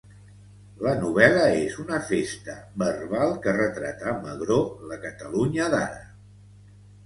La novel·la és una festa verbal que retrata amb agror la Catalunya d'ara.